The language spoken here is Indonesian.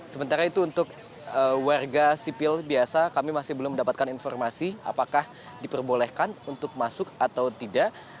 sementara itu untuk warga sipil biasa kami masih belum mendapatkan informasi apakah diperbolehkan untuk masuk atau tidak